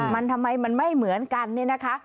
มันทำไมมันไม่เหมือนกันเนี่ยนะคะ